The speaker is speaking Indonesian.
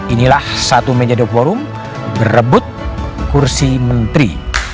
inilah satu menjadi forum berebut kursi menteri